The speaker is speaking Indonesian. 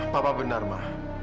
papa benar ma